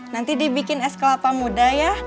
nanti dibikin es kelapa muda ya